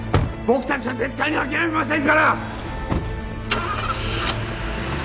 僕たちは絶対に諦めません！